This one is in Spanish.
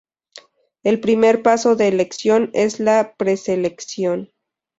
El primer paso de elección es la preselección.